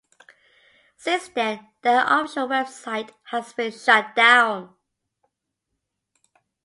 Since then their official website has been shut down.